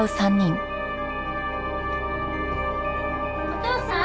お父さん！